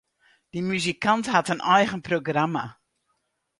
Dy muzikant hat in eigen programma.